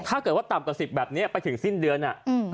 ถ้าเกิดว่าต่ำกว่าสิบแบบเนี้ยไปถึงสิ้นเดือนน่ะอืม